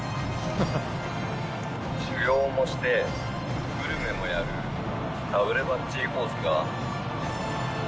修行もしてグルメもやるＷバッチリコースが。